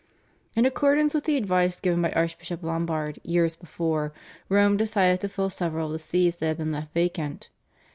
In accordance with the advice given by Archbishop Lombard years before, Rome decided to fill several of the Sees that had been left vacant.